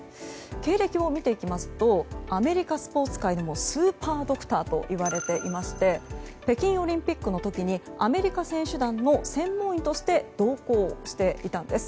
経歴を見ていきますとアメリカスポーツ界でもスーパードクターと呼ばれていまして北京オリンピックの時にアメリカ選手団の専門医として同行していたんです。